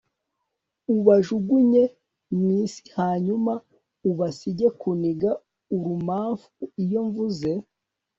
ubajugunye mu isi hanyuma ubasige kuniga urumamfu. iyo mvuze